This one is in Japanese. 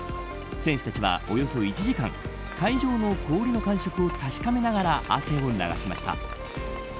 選手たちは、およそ１時間会場の氷の感触を確かめながら汗を流しました。